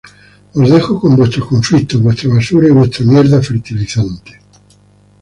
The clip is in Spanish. Os dejo con vuestros conflictos, vuestra basura, y vuestra mierda fertilizante"".